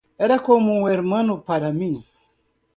Era como un hermano para mí.